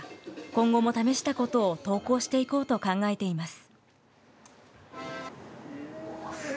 今後も試したことを投稿していこうと考えています。